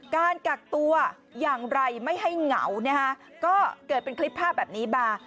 การกักตัวอย่างไรไม่ให้เหงานะฮะก็เกิดเป็นคลิปภาพแบบนี้มา